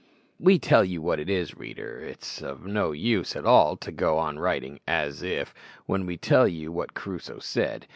_" We tell you what it is, reader, it's of no use at all to go on writing "as if," when we tell you what Crusoe said.